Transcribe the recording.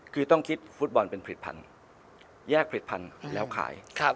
คือต้องคิดฟุตบอลเป็นผลิตภัณฑ์แยกผลิตภัณฑ์แล้วขาย